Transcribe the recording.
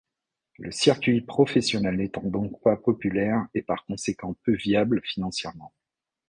Le circuit professionnel n'étant donc pas populaire et par conséquent peu viable financièrement.